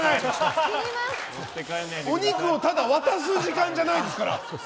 お肉をただ渡す時間じゃないですから。